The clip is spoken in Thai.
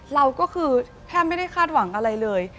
เราก็คือแทบไม่ได้คาดหวังอะไรเลย